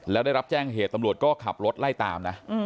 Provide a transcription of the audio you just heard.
แล้วได้รับแจ้งเหตุตำรวจก็ขับรถไล่ตามนะ